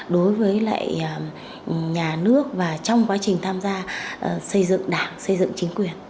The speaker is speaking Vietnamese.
đối với lại nhà nước và trong quá trình tham gia xây dựng đảng xây dựng chính quyền